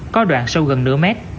có đoạn sâu gần nửa mét